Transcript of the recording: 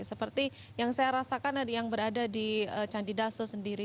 seperti yang saya rasakan yang berada di candidase sendiri